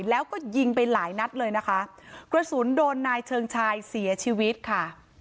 แล้วก็ยิงไปหลายนัดเลยนะคะกระสุนโดนนายเชิงชายเสียชีวิตค่ะ